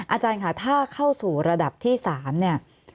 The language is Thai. อาจารย์ค่ะถ้าเข้าสู่ระดับที่๓เนี่ย